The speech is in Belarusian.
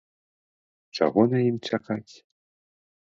Чаго на ім чакаць?